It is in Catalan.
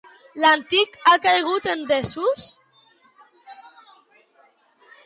L'antic ha caigut en desús?